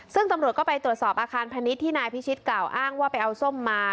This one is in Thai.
ซึ่งตำรวจก็ไปตรวจสอบอาคารพาณิชย์ที่นายพิชิตกล่าวอ้างว่าไปเอาส้มมา